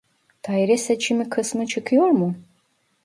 Daire seçimi kısmı çıkıyor mu ?